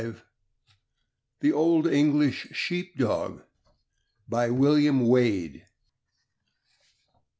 E. D. THE OLD ENGLISH SHEEP DOG. BY WILLIAM WADE.